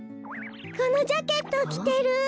このジャケットをきてる！